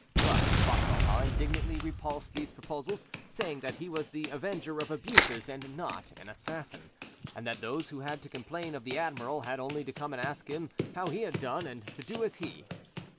But Bothwellhaugh indignantly repulsed these proposals, saying that he was the avenger of abuses and not an assassin, and that those who had to complain of the admiral had only to come and ask him how he had done, and to do as he.